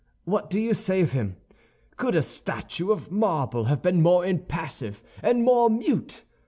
What do you say of him? Could a statue of marble have been more impassive and more mute?